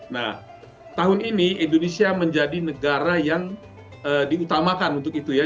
nah tahun ini indonesia menjadi negara yang diutamakan untuk itu ya